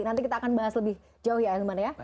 nanti kita akan bahas lebih jauh ya ahilman ya